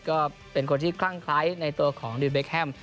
ก็เป็นคนที่คลั่งคล้ายในตัวของดีเบคแฮม